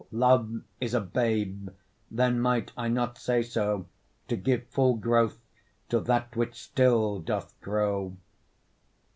Love is a babe, then might I not say so, To give full growth to that which still doth grow?